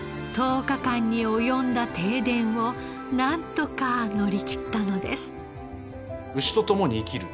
１０日間に及んだ停電をなんとか乗り切ったのです。